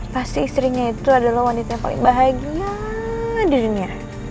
pasti istrinya itu adalah wanita yang paling bahagia hadirnya